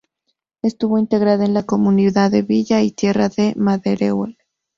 Estuvo integrada en la Comunidad de Villa y Tierra de Maderuelo.